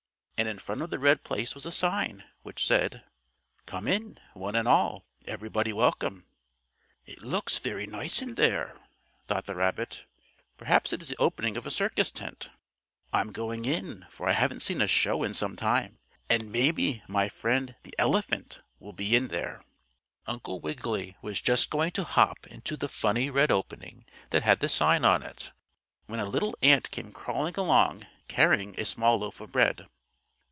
And in front of the red place was a sign, which said: "Come in, one and all. Everybody welcome." "It looks very nice in there," thought the rabbit. "Perhaps it is the opening of a circus tent. I'm going in, for I haven't seen a show in some time. And, maybe, my friend, the elephant, will be in there." Uncle Wiggily was just going to hop into the funny red opening that had the sign on it, when a little ant came crawling along, carrying a small loaf of bread.